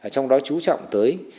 trong đó chú trọng tới